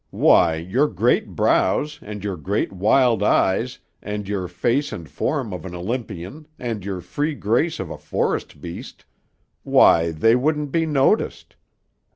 Why, your great brows and your great, wild eyes and your face and form of an Olympian and your free grace of a forest beast why, they wouldn't be noticed.